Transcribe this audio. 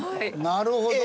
なるほど。